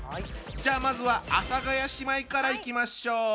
じゃあまずは阿佐ヶ谷姉妹からいきましょう。